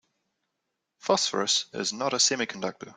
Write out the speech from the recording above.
Phosphorus is not a semiconductor.